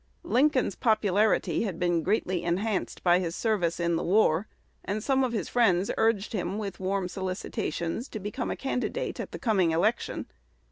Lincoln's popularity had been greatly enhanced by his service in the war, and some of his friends urged him with warm solicitations to become a candidate at the coming election.